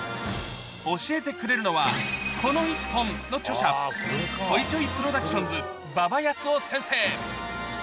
教えてくれるのは、この１本！の著者、ホイチョイ・プロダクションズ、馬場康夫先生。